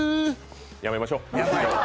やめましょう。